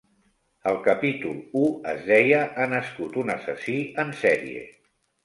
El capítol u es deia Ha nascut un assassí en sèrie.